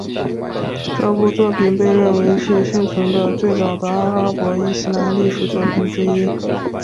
这部作品被认为是幸存的最早的阿拉伯伊斯兰历史作品之一。